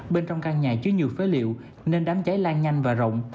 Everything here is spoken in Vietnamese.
bên trong căn nhà chứa nhiều phế liệu nên đám cháy lan nhanh và rộng